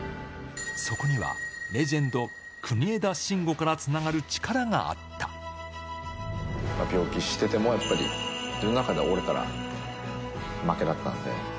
そこには、レジェンド、国枝慎吾病気しててもやっぱり、自分の中で折れたら、負けだったんで。